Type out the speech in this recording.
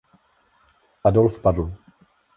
Adolf padl.